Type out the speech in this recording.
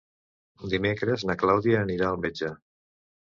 Dimecres na Clàudia anirà al metge.